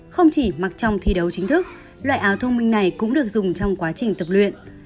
không chỉ mặc trong thi đấu chính thức loại áo thông minh này cũng được dùng trong quá trình tập luyện